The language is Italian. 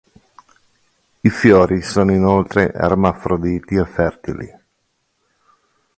I fiori sono inoltre ermafroditi e fertili.